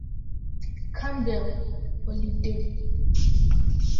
Campbell, Olive Dame.